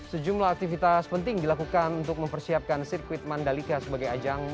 terima kasih bang uke terima kasih